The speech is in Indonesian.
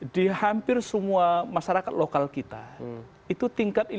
di hampir semua masyarakat lokal kita itu tingkat